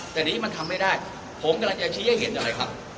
แต่นี่มันทำไม่ได้ผมกำลังจะชี้ให้เห็นอะไรครับ